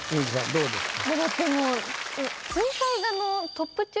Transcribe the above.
どうですか？